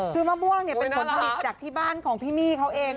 คือมะม่วงเนี่ยเป็นผลผลิตจากที่บ้านของพี่มี่เขาเอง